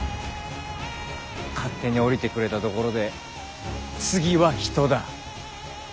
勝手に下りてくれたところで次は人だ。